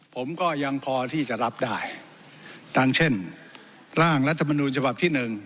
ผมก็ยังพอที่จะรับได้ดังเช่นร่างรัฐมนูลฉบับที่หนึ่ง